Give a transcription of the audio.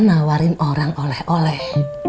nawarin orang oleh oleh